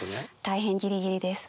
大変ギリギリです。